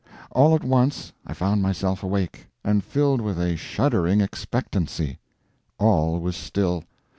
All at once I found myself awake, and filled with a shuddering expectancy. All was still.